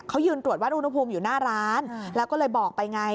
เขายืนตรวจวัดอุณหภูมิอยู่หน้าร้านแล้วก็เลยบอกไปไง